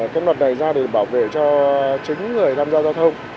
cái luật này ra để bảo vệ cho chính người tham gia giao thông